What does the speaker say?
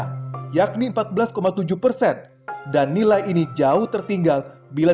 tapi dari pandangan kita sebagai orang amerika